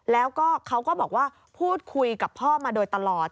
แล้วก็เขาก็บอกว่าพูดคุยกับพ่อมาโดยตลอด